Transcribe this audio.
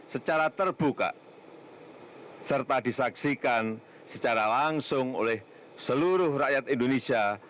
secara terbuka serta disaksikan secara langsung oleh seluruh rakyat indonesia